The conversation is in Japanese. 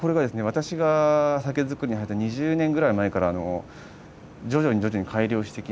私が酒造りを始めた２０年ぐらい前から徐々に徐々に改良してきまして。